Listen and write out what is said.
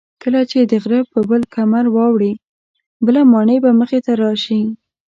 کله چې د غره پر بل کمر واوړې بله ماڼۍ به مخې ته راشي.